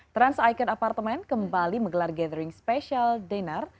trans icon apartemen kembali menggelar gathering special dinner